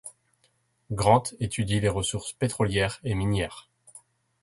Grant étudie les ressources pétrolières et minières.